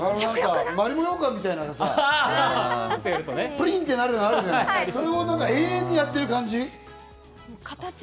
マリモようかんみたいなさ、ぷりんってなるのあるじゃない、それを延々とやってる感じ。